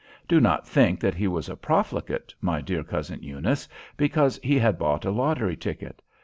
Do not think that he was a profligate, my dear cousin Eunice, because he had bought a lottery ticket.